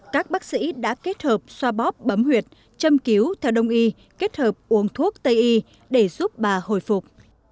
các bác sĩ đã kết hợp xoa bóp bấm huyệt châm cứu theo đông y kết hợp uống thuốc tây y để giúp bà hồi phục